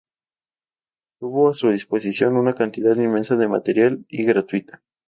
Tuvo a su disposición una cantidad inmensa de material, y gratuita.